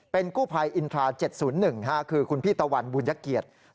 เป็นกู้ภัยอินทรา๗๐๑คือคุณพี่ตะวันบุญยเกียรติ